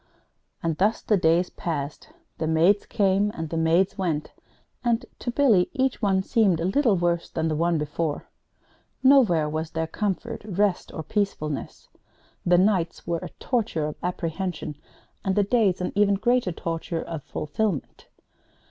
And thus the days passed. The maids came and the maids went, and, to Billy, each one seemed a little worse than the one before. Nowhere was there comfort, rest, or peacefulness. The nights were a torture of apprehension, and the days an even greater torture of fulfilment.